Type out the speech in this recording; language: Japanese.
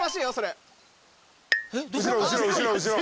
後ろ後ろ後ろ後ろ。